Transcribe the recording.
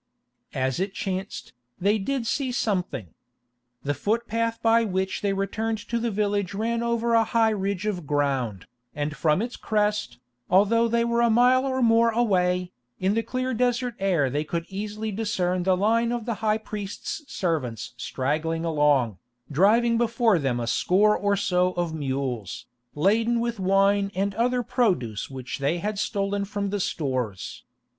As it chanced, they did see something. The footpath by which they returned to the village ran over a high ridge of ground, and from its crest, although they were a mile or more away, in that clear desert air they could easily discern the line of the high priest's servants straggling along, driving before them a score or so of mules, laden with wine and other produce which they had stolen from the stores.